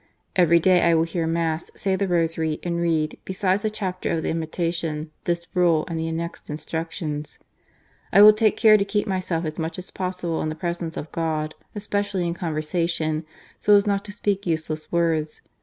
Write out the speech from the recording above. " Every day I will hear Mass, say the Rosary, and read, besides a chapter of the Imitation, this rule and the annexed instructions. " I will take care to keep myself as much as possible in the presence of God, especially in con versation, so as not to speak useless words.